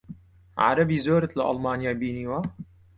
عەرەبی زۆرت لە ئەڵمانیا بینیوە؟